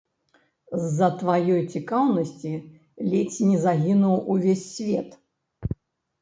З-за тваёй цікаўнасці ледзь не загінуў увесь свет.